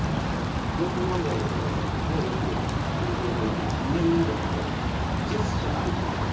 コント漫才とかでよくお店に入る時の「ウィン」とかもジェスチャーありきでね